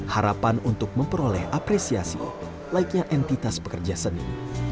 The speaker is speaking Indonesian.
harapan untuk memperoleh apresiasi laiknya entitas pekerja seni